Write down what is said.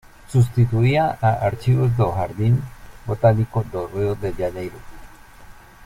Sustituía a "Archivos do Jardim Botânico do Rio de Janeiro".